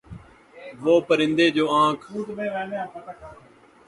وہ پرندے جو آنکھ